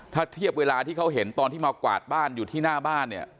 ถ้าเทียบเวลาที่เขาเห็นตอนที่มากวาดบ้านอยู่ที่หน้าบ้านเนี่ย